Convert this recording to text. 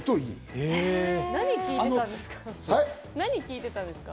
何を聴いてたんですか？